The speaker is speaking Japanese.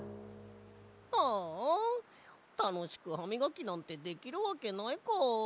はあたのしくハミガキなんてできるわけないか。